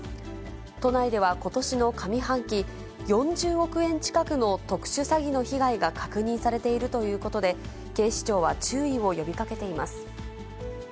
都内ではことしの上半期、４０億円近くの特殊詐欺の被害が確認されているということで、警視庁は注意を呼びかけています。